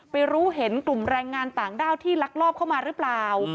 รู้เห็นกลุ่มแรงงานต่างด้าวที่ลักลอบเข้ามาหรือเปล่า